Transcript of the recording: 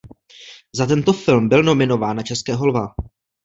Za tento film byl nominován na Českého lva.